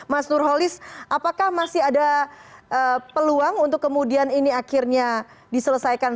mas nurholis apakah masih ada peluang untuk kemudian ini akhirnya diselesaikan